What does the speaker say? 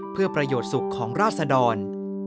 เพื่อประโยชน์สุขของราศดร